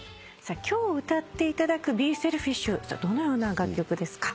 今日歌っていただく『ＢｅＳｅｌｆｉｓｈ』どのような楽曲ですか？